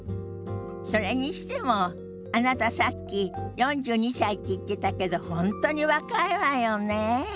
それにしてもあなたさっき４２歳って言ってたけど本当に若いわよねえ。